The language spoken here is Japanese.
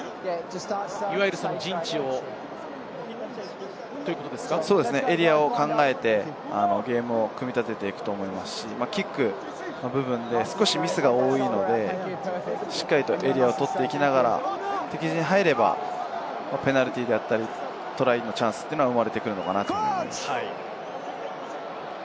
いわゆる陣地をというこエリアを考えてゲームを組み立てていくと思いますし、キックの部分で少しミスが多いので、しっかりエリアを取っていきながら、敵陣に入ればペナルティーであったり、トライのチャンスが生まれてくるのかなと思います。